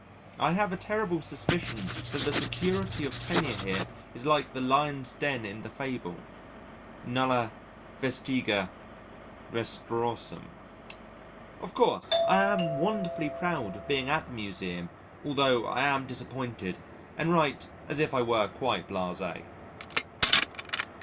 I have a terrible suspicion that the security of tenure here is like the lion's den in the fable Nulla vestiga retrorsum. Of course I am wonderfully proud of being at the Museum, although I am disappointed and write as if I were quite blasé.